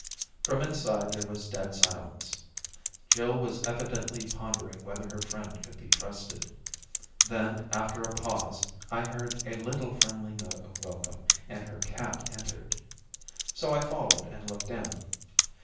From inside there was dead silence; Jill was evidently pondering whether her friend could be trusted, then after a pause I heard a little friendly note of welcome and her cat entered. So I followed and looked in.